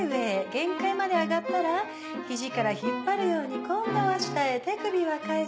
限界まで上がったら肘から引っ張るように今度は下へ手首は返す。